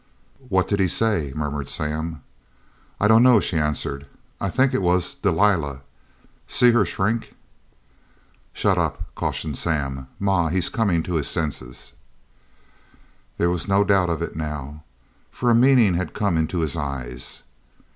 "What did he say?" murmured Sam. "I dunno," she answered. "I think it was 'Delilah!' See her shrink!" "Shut up!" cautioned Sam. "Ma, he's comin' to his senses!" There was no doubt of it now, for a meaning had come into his eyes.